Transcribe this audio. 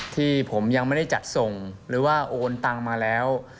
ที่ผมยังไม่ได้จัดส่งหรือว่าโอนตังมาแล้ว